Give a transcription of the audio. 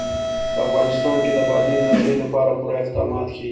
په افغانستان کې د بادي انرژي لپاره پوره اقدامات کېږي.